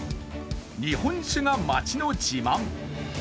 日本酒が町の自慢。